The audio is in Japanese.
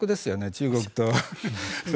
中国と。